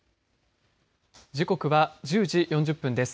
時刻は１０時４０分です。